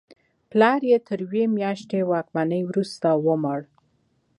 پلار یې تر یوې میاشتنۍ واکمنۍ وروسته ومړ.